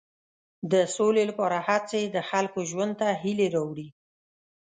د سولې لپاره هڅې د خلکو ژوند ته هیلې راوړي.